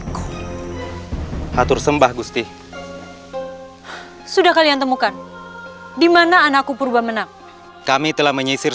aku atur sembah gusti sudah kalian temukan dimana anakku purba menang kami telah menyisir